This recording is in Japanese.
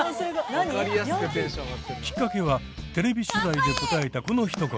きっかけはテレビ取材で答えたこの一言。